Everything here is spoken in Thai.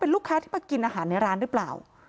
ลูกค้าที่มากินอาหารในร้านหรือเปล่า